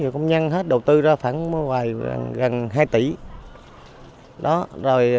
mở một nơi